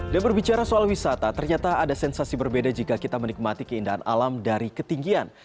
dan berbicara soal wisata ternyata ada sensasi berbeda jika kita menikmati keindahan alam dari ketinggian